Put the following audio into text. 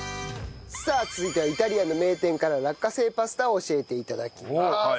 さあ続いてはイタリアンの名店から落花生パスタを教えて頂きます。